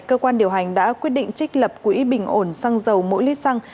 cơ quan điều hành đã quyết định trích lập quỹ bình ổn xăng dầu mỗi lít xăng